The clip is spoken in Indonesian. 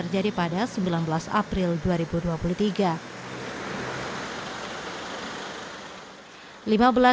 jadi pada sembilan belas april dua ribu dua puluh tiga